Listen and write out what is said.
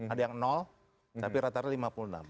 ada yang tapi rata rata lima puluh enam